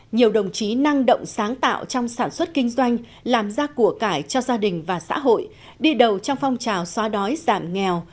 nhiều đồng chí năng động sáng tạo trong sản xuất kinh doanh làm ra của cải cho gia đình và xã hội đi đầu trong phong trào xóa đói giảm nghèo